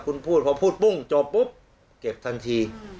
คุณพูดพอพูดปุ้งจบปุ๊บเก็บทันที